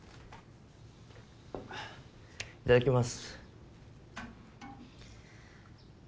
いただきます。